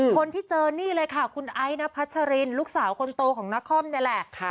คนที่เจอนี่เลยค่ะคุณไอ้นพัชรินลูกสาวคนโตของนครนี่แหละ